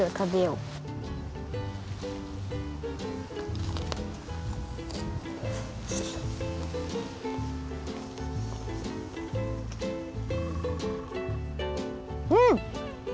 うん！